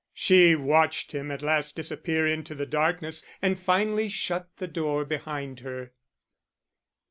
She watched him at last disappear into the darkness, and finally shut the door behind her.